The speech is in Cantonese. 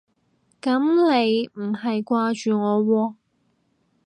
噉你唔係掛住我喎